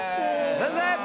先生！